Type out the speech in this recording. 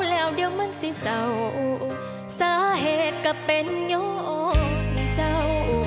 แล้วเดี๋ยวมันสิเศร้าสาเหตุก็เป็นย้อนเจ้า